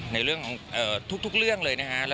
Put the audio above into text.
ในเรื่องของทุกเรื่องเลยนะฮะ